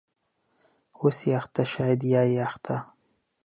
.اوسې اخته شاید یا یې اخته